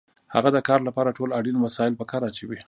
هغه د کار لپاره ټول اړین وسایل په کار اچوي